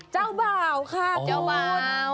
เจ้าเบาค่ะคุณเจ้าเบา